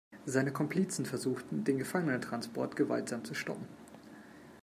Seine Komplizen versuchten, den Gefangenentransport gewaltsam zu stoppen.